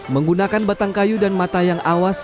menggunakan batang kayu dan mata yang awas